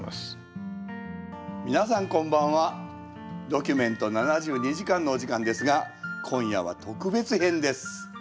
「ドキュメント７２時間」のお時間ですが今夜は特別編です。